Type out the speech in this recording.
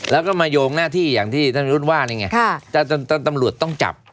แล้วก็มายงหน้าที่อย่างที่ท่านมีรุ่นว่าตำรวจต้องจับ